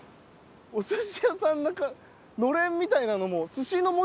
お寿司屋さんのれんみたいなのも。